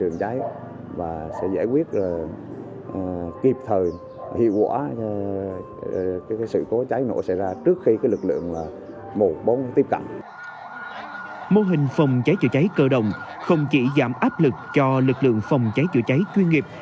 mô hình phòng cháy chữa cháy cơ động không chỉ giảm áp lực cho lực lượng phòng cháy chữa cháy chuyên nghiệp